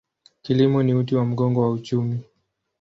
Kilimo ni uti wa mgongo wa uchumi.